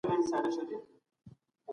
پوهان په سختۍ کولای سي دا علوم سره جلا کړي.